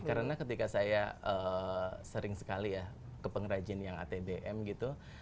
karena ketika saya sering sekali ya ke pengrajin yang atbm gitu